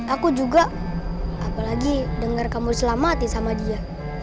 aku juga apalagi dengar kamu selamati sama dia